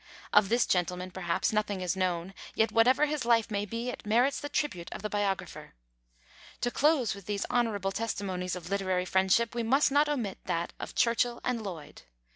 Of this gentleman, perhaps, nothing is known; yet whatever his life may be, it merits the tribute of the biographer. To close with these honourable testimonies of literary friendship, we must not omit that of Churchill and Lloyd.